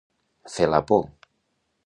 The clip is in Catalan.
Fer la por.